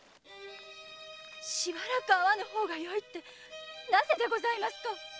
〔しばらく会わぬ方がよいってなぜでございますか⁉〕